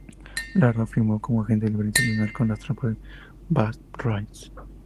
Lara firmó como agente libre internacional con los Tampa Bay Rays.